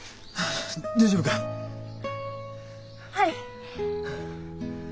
はい。